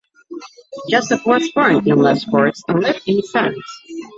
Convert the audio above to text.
Josep was born in Les Corts and lived in Sants.